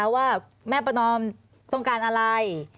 ว่าแม่ประนอมต้องการอะไร